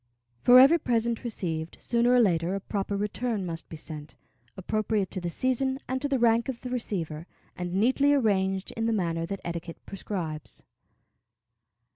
For every present received, sooner or later, a proper return must be sent, appropriate to the season and to the rank of the receiver, and neatly arranged in the manner that etiquette prescribes.